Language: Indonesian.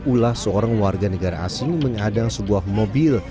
ulah seorang warga negara asing mengadang sebuah mobil